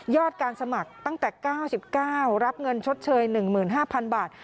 การสมัครตั้งแต่๙๙รับเงินชดเชย๑๕๐๐๐บาท